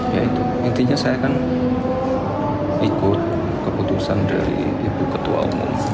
ya itu intinya saya kan ikut keputusan dari ibu ketua umum